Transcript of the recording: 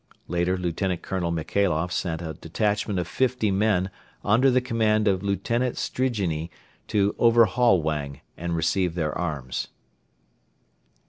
Later Lt. Colonel Michailoff sent a detachment of fifty men under the command of Lieutenant Strigine to overhaul Wang and receive their arms.